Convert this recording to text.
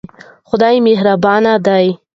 خدای مهربان دی.